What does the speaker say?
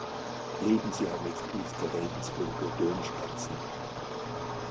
Lebensjahr Mitglied der Regensburger Domspatzen.